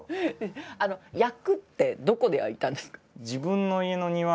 焼くってどこで焼いたんですか？